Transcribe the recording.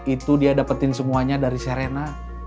itu dia dapetin semuanya dari serena